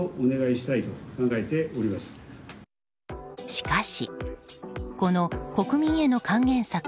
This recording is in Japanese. しかし、この国民への還元策